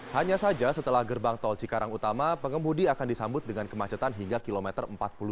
hanya saja setelah gerbang tol cikarang utama pengemudi akan disambut dengan kemacetan hingga kilometer empat puluh dua